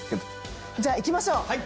じゃあいきましょう。